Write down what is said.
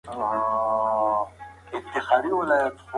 تجربي مطالعه د نظريې لپاره اړينه ده.